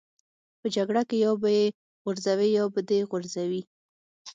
په جګړه کې یا به یې غورځوې یا به دې غورځوي